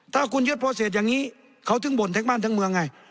ถ้าคุณยึดโปรเศษอย่างนี้เขาถึงบ่นทั้งบ้านทั้งเมืองไง